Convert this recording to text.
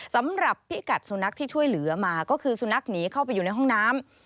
สำหรับพิกัดสุนัขที่ช่วยเหลือมาก็คือสุนัขหนีเข้าไปอยู่ในห้องน้ำ